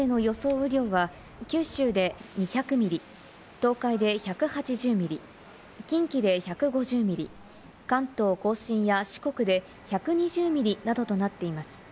雨量は九州で２００ミリ、東海で１８０ミリ、近畿で１５０ミリ、関東甲信や四国で１２０ミリなどとなっています。